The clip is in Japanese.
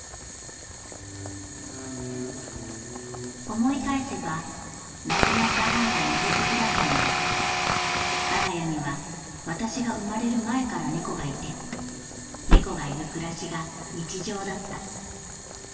「思い返せば亡くなった母が猫好きだったので我が家には私が生まれる前から猫がいて猫がいる暮らしが日常だった。